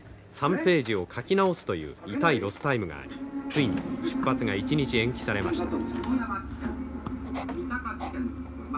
３ページを描き直すという痛いロスタイムがありついに出発が１日延期されました。